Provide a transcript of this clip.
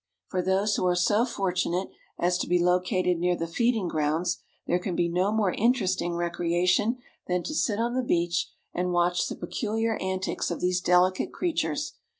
For those who are so fortunate as to be located near the feeding grounds there can be no more interesting recreation than to sit on the beach and watch the peculiar antics of these delicate creatures.